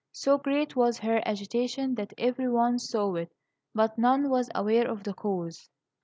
So great was her agitation that every one saw it, but none was aware of the cause.